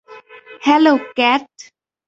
Hello, cat!